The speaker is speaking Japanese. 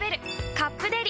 「カップデリ」